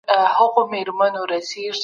د وينې فشار لرونکي دې ارام وکړي